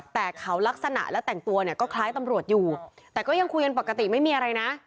แต่เขาลักษณะและแต่งตัวเนี่ยก็คล้ายตำรวจอยู่แต่ก็ยังคุยกันปกติไม่มีอะไรนะ